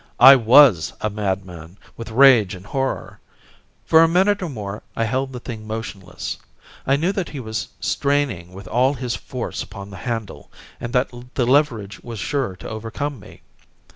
I WAS a madman with rage and horror. For a minute or more I held the thing motionless. I knew that he was straining with all his force upon the handle, and that the leverage was sure to overcome me.